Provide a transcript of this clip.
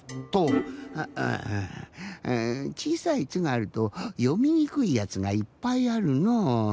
ああぁちいさい「ツ」があるとよみにくいやつがいっぱいあるのう。